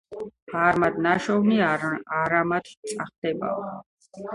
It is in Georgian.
არმად ნაშოვნი - არმად წახდებაო